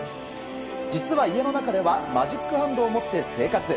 実は家の中ではマジックハンドを持って生活。